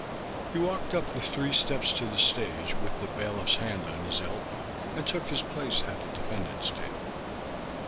He walked up the three steps to the stage, with the bailiff's hand on his elbow, and took his place at the defendant's table.